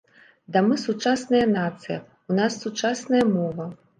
Ды мы сучасная нацыя, у нас сучасная мова!